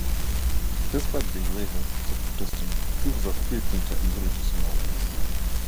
Despite being raised as a Protestant, he was a freethinker in religious matters.